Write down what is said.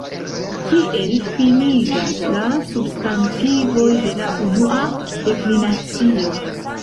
Kiel finiĝas la substantivoj de la unua deklinacio?